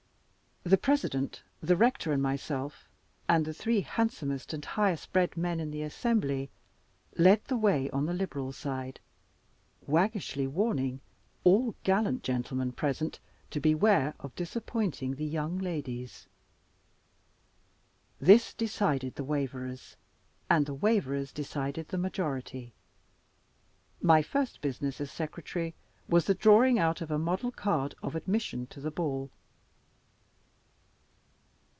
The President, the rector and myself, the three handsomest and highest bred men in the assembly, led the way on the liberal side, waggishly warning all gallant gentlemen present to beware of disappointing the young ladies. This decided the waverers, and the waverers decided the majority. My first business, as Secretary, was the drawing out of a model card of admission to the ball.